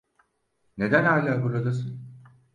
Neden hala buradasın?